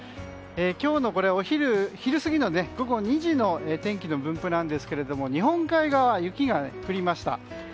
今日の昼過ぎ、午後２時の天気の分布なんですけど日本海側は雪が降りました。